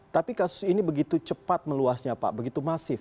tapi kasus ini begitu cepat meluasnya pak begitu masif